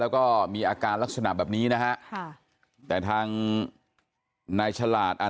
แล้วก็มีอาการลักษณะแบบนี้นะฮะค่ะแต่ทางนายฉลาดอ่า